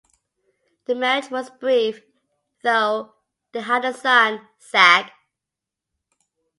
The marriage was brief, though they had a son, Zac.